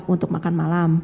untuk makan malam